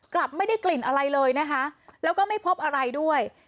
กลับไม่ได้กลิ่นอะไรเลยนะคะแล้วก็ไม่พบอะไรด้วย